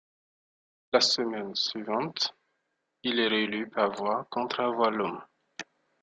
La semaine suivante, il est réélu par voix, contre à Voillaume.